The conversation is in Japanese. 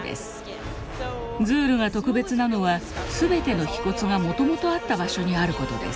ズールが特別なのは全ての皮骨がもともとあった場所にあることです。